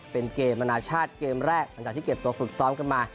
เป็นเกมอนาชาติเกมแรกหลังจากที่เก็บตัวฝึกซ้อมกันมา